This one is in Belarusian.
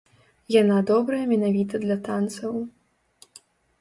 Яна добрая менавіта для танцаў.